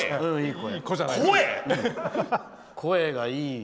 声がいい。